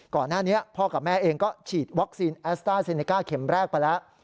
ก่อนหน้านี้พ่อกับแม่เองก็ฉีดวัคซีนแอสต้าเซเนก้าเข็มแรกไปแล้ว